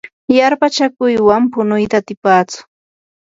yarpachakuywan punuyta atipatsu.